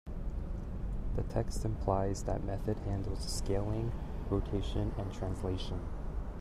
The text implies that method handles scaling, rotation, and translation.